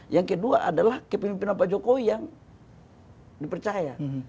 yang kedua adalah kepemimpinan pak jokowi yang dipercaya